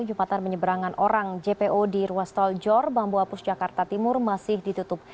jum'atan penyeberangan orang jpo di ruastol jor bambuapus jakarta timur masih ditutup